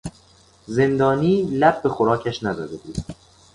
زندانی لب به خوراکش نزده بود.